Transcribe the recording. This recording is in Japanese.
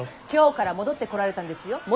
京から戻ってこられたんですよ。